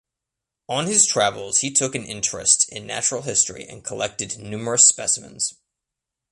On his travels he took an interest in natural history and collected numerous specimens.